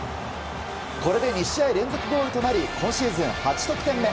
これで２試合連続ゴールとなり今シーズン８ゴール目。